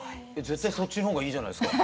絶対そっちの方がいいじゃないですか。